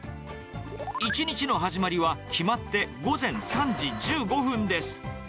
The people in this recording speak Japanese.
１日の始まりは決まって午前３時１５分です。